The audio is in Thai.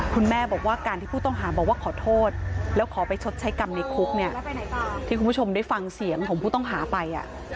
คุณแม่บอกว่าการที่ผู้ต้องหาบอกว่าขอโทษแล้วขอไปชดใช้กรรมในคุกเนี่ยที่คุณผู้ชมได้ฟังเสียงของผู้ต้องหาไป